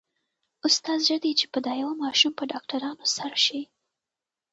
اوس ستا زړه دی چې په دا يوه ماشوم په ډاکټرانو سر شې.